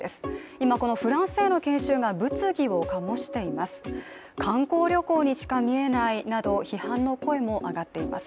今、このフランスへの研修が物議を醸しています